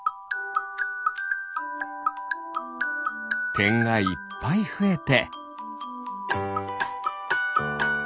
てんがいっぱいふえて。